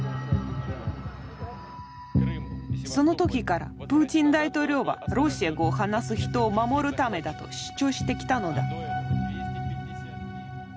その時からプーチン大統領はロシア語を話す人を守るためだと主張してきたのだ。